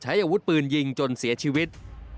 อาวุธปืนยิงจนเสียชีวิต